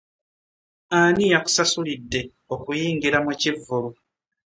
Ani yakusasulidde okuyingira mu kivvulu?